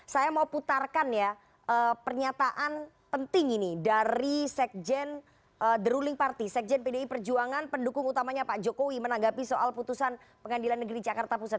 saya mau putarkan ya pernyataan penting ini dari sekjen the ruling party sekjen pdi perjuangan pendukung utamanya pak jokowi menanggapi soal putusan pengadilan negeri jakarta pusat